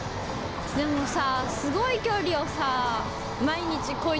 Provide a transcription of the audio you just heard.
でもさ。